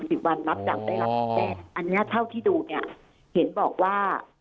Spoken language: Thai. สิบวันนับจากได้รับแจ้งอันเนี้ยเท่าที่ดูเนี่ยเห็นบอกว่า